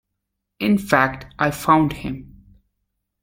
In fact, I found him.